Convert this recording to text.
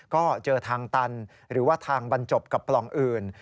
ก็เจอทางตันหรือว่าทางบรรจบกับปล่องอื่น